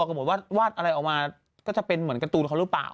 กำหนดว่าวาดอะไรออกมาก็จะเป็นเหมือนการ์ตูนเขาหรือเปล่า